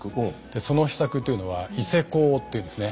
でその秘策というのは「伊勢講」って言うんですね。